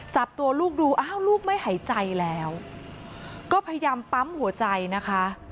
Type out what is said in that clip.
จับตัวลูกดูอ้าวลูกไม่หายใจแล้วก็พยายามปั๊มหัวใจนะคะ